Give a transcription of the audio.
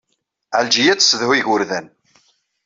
Ɛelǧiya ad tessedhu igerdan.